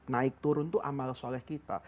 naik turun itu amal soleh kita